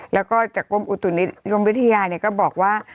แล้วก็จากกรมอุตุนิยมวิทยาก็บอกว่า